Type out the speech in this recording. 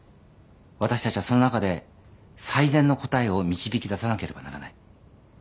私たちはその中で最善の答えを導き出さなければならない。